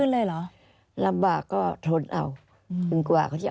อันดับ๖๓๕จัดใช้วิจิตร